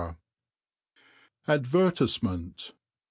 ADVERTISEMENT.